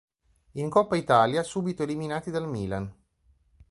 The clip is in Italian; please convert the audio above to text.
In Coppa Italia subito eliminati dal Milan.